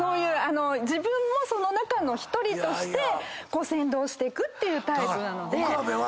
自分もその中の１人として先導してくっていうタイプなので。